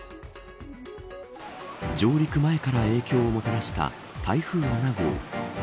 上陸前から影響をもたらした台風７号。